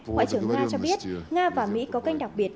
ngoại trưởng nga cho biết nga và mỹ có kênh đặc biệt